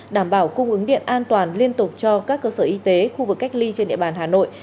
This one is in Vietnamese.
đảm bảo cung ứng điện an toàn liên tục cho các cơ sở y tế khu vực cách ly trên địa bàn hà nội